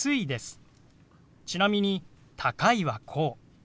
ちなみに「高い」はこう。